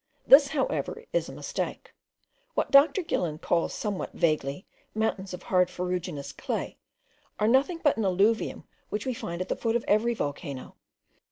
This, however, is a mistake. What Dr. Gillan calls somewhat vaguely, mountains of hard ferruginous clay, are nothing but an alluvium which we find at the foot of every volcano.